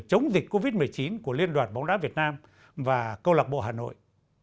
chống dịch covid một mươi chín của liên đoàn bóng đá việt nam và câu lạc bộ hà nội